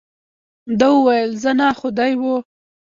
ده وویل، زه نه، خو دی وو.